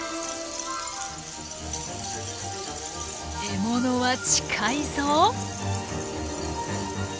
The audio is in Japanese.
「獲物は近いぞ！」。